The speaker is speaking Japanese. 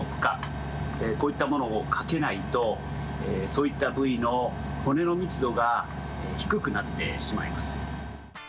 こういったものをかけないとそういったぶいの骨のみつどがひくくなってしまいます。